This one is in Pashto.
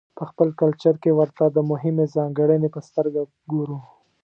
په خپل کلچر کې ورته د مهمې ځانګړنې په سترګه ګورو.